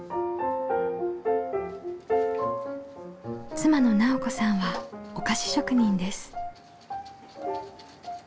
妻の直子さんはお菓子職人です。